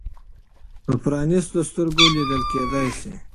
په پرانیستو سترګو لیدل کېدای شي.